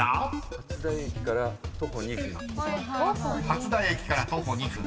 初台駅から徒歩２分。